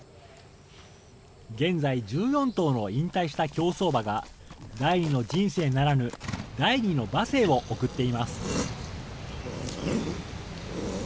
現在１４頭の引退した競走馬が、第二の人生ならぬ、第２の馬生を送っています。